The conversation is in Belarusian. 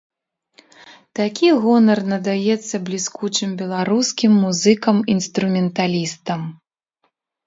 Такі гонар надаецца бліскучым беларускім музыкам-інструменталістам.